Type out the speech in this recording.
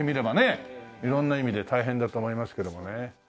色んな意味で大変だと思いますけどもね。